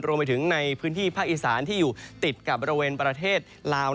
ในพื้นที่ภาคอีสานที่อยู่ติดกับบริเวณประเทศลาว